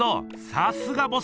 さすがボス！